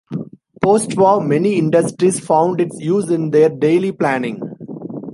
Postwar, many industries found its use in their daily planning.